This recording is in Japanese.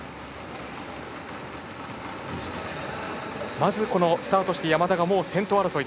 まずスタートして山田がもう先頭争い。